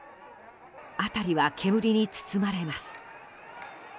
辺りは煙に包まれます。